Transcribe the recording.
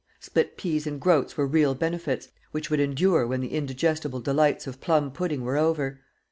Split peas and groats were real benefits, which would endure when the indigestible delights of plum pudding were over.